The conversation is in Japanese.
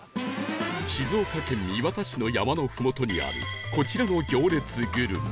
静岡県磐田市の山のふもとにあるこちらの行列グルメ